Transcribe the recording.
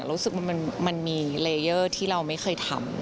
รู้สึกว่ามันมีเลเยอร์ที่เราไม่เคยทำ